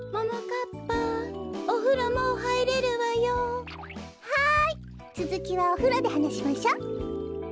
かっぱおふろもうはいれるわよ。はいつづきはおふろではなしましょ。